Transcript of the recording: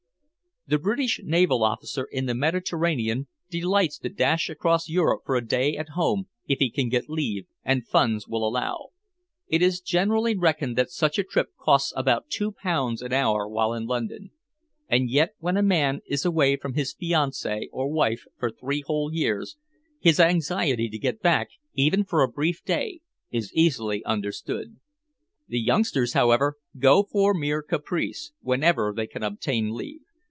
The British naval officer in the Mediterranean delights to dash across Europe for a day at home if he can get leave and funds will allow. It is generally reckoned that such a trip costs about two pounds an hour while in London. And yet when a man is away from his fiancée or wife for three whole years, his anxiety to get back, even for a brief day, is easily understood. The youngsters, however, go for mere caprice whenever they can obtain leave.